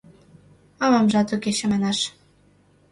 Авамжат уке чаманаш.